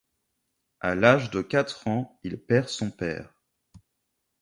À l'âge de quatre ans, il perd son père.